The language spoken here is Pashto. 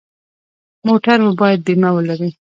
موټر مو باید بیمه ولري.